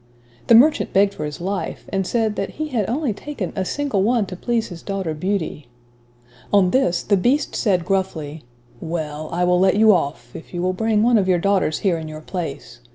The merchant begged for his life, and said, that he had only taken "a single one to please his daughter Beauty." On this, the beast said gruffly, "well, I will let you off, if you will bring one of your daughters here in your place.